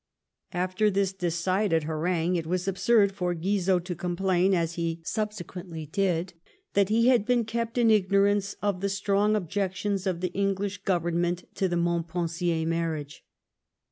After this decided harangue, it was absurd for Guizot to complain, as he subsequently did, that he had been kept in ignorance of the strong objections of the Eng lish Government to the Montpensier marriage.